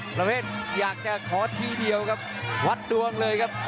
ประเวทอยากจะขอทีเดียวครับวัดดวงเลยครับ